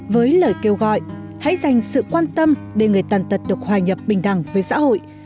với lời kêu gọi hãy dành sự quan tâm để người tàn tật được hòa nhập bình đẳng với xã hội